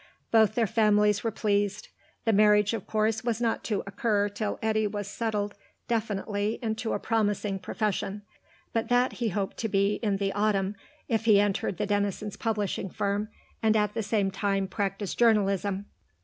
Both their families were pleased. The marriage, of course, was not to occur till Eddy was settled definitely into a promising profession, but that he hoped to be in the autumn, if he entered the Denisons' publishing firm and at the same time practised journalism.